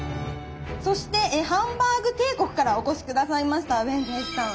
そしてハンバーグ帝国からお越し下さいましたウエンツ瑛士さん。